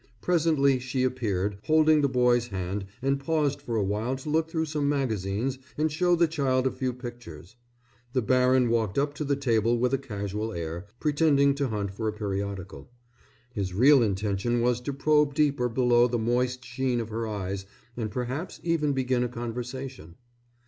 Presently she appeared, holding the boy's hand and paused for a while to look through some magazines and show the child a few pictures. The baron walked up to the table with a casual air, pretending to hunt for a periodical. His real intention was to probe deeper below the moist sheen of her eyes and perhaps even begin a conversation.